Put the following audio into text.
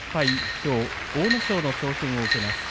きょうは阿武咲の挑戦を受けます。